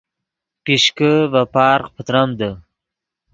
پیشکے ڤے پارغ پتریمدے